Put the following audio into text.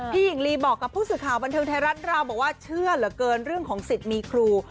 หญิงลีบอกกับผู้สื่อข่าวบันเทิงไทยรัฐเราบอกว่าเชื่อเหลือเกินเรื่องของสิทธิ์มีครู